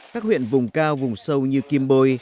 các huyện vùng cao vùng sâu như kim bôi